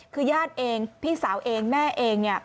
คือญาติเองพี่สาวเองแม่เองเนี่ย